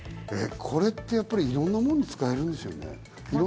これってやっぱりいろんな物に使えるんでしょうね。